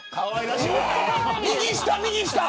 右下、右下。